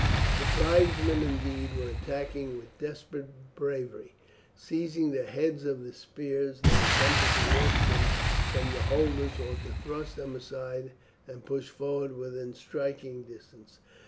The tribesmen, indeed, were attacking with desperate bravery. Seizing the heads of the spears they attempted to wrest them from their holders, or to thrust them aside and push forward within striking distance.